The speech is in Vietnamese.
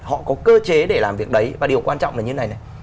họ có cơ chế để làm việc đấy và điều quan trọng là như thế này này